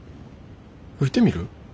吹いてみる？